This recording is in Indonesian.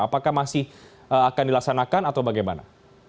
apakah masih akan dilaksanakan atau bagaimana